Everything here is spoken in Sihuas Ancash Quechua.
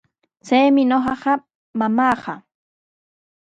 Chaymi ñuqapa mamaaqa.